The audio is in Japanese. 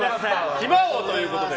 暇王ということで。